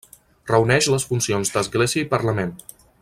Reuneix les funcions d'església i parlament.